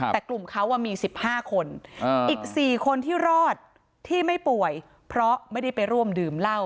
แต่กลุ่มเขามี๑๕คนอีก๔คนที่รอดที่ไม่ป่วยเพราะไม่ได้ไปร่วมดื่มเหล้า